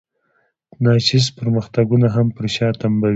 ناچیز پرمختګونه هم پر شا تمبوي.